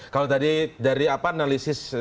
kalau tadi dari analisis